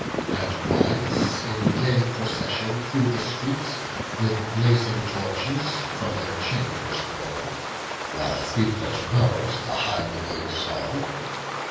And brides, in gay procession, through the streets With blazing torches from their chambers borne, While frequent rose the hymeneal song.